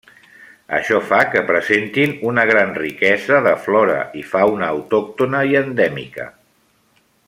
Això fa que presentin una gran riquesa de flora i fauna autòctona i endèmica.